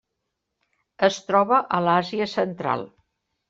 Es troba a l'Àsia Central.